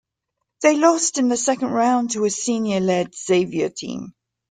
They lost in the second round to a senior-led Xavier team.